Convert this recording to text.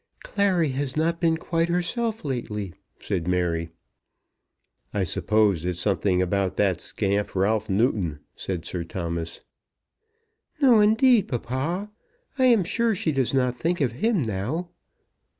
"Clary has not been quite herself lately," said Mary. "I suppose it's something about that scamp, Ralph Newton," said Sir Thomas. "No, indeed, papa; I am sure she does not think of him now."